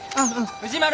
藤丸！